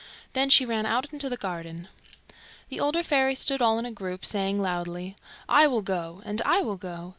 Then she ran out into the garden. The older fairies stood all in a group, saying loudly "I will go," and "I will go."